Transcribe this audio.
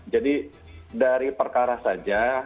jadi dari perkara saja